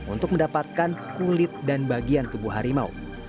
untuk mendapatkan kulit dan bagian tubuh harimau